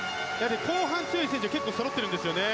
後半に強い選手が結構、そろってるんですね。